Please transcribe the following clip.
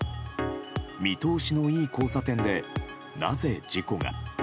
見通しのいい交差点でなぜ事故が。